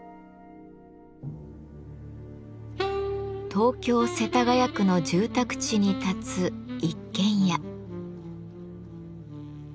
東京・世田谷区の住宅地に建つ一軒家。